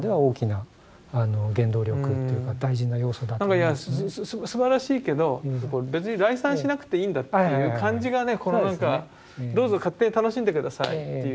いやまさにすばらしいけど別に礼賛しなくていいんだっていう感じがねどうぞ勝手に楽しんで下さいっていう。